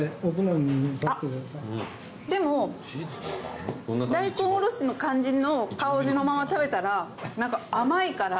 あっでも大根おろしの感じの香りのまま食べたら何か甘いから。